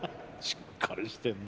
しっかりしてんな。